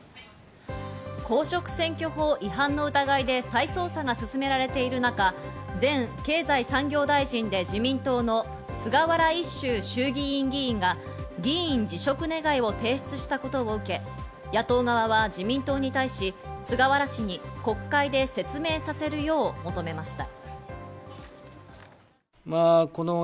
公職選挙法違反の疑いで再捜査が進められている中、前経済産業大臣で自民党の菅原一秀衆議院議員が議員辞職願を提出したことを受け、野党側は自民党に対し、菅原氏に国会で説明させるよう求めました。